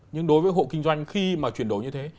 nhưng đối với hộ kinh doanh khi mà chuyển đổi như thế